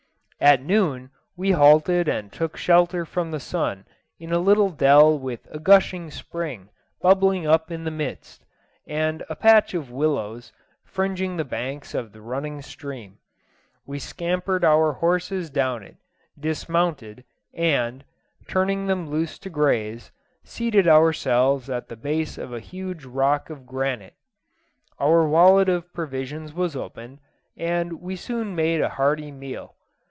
At noon we halted and took shelter from the sun in a little dell with a gushing spring bubbling up in the midst, and a patch of willows fringing the banks of the running stream. We scampered our horses down it, dismounted, and, turning them loose to graze, seated ourselves at the base of a huge rock of granite. Our wallet of provisions was opened, and we soon made a hearty meal.